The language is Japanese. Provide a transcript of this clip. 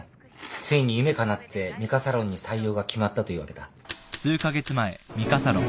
ついに夢かなってＭＩＫＡＳａｌｏｎに採用が決まったというわけだ。